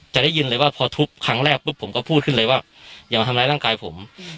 ได้ยินเลยว่าพอทุบครั้งแรกปุ๊บผมก็พูดขึ้นเลยว่าอย่ามาทำร้ายร่างกายผม